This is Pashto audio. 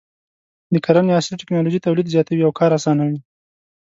د کرنې عصري ټکنالوژي تولید زیاتوي او کار اسانوي.